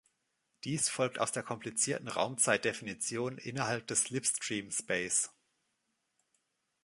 Dies folgt aus der komplizierten Raumzeit-Definition innerhalb des Slipstream Space.